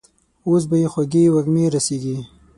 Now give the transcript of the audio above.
اوس به يې خوږې وږمې رسېږي.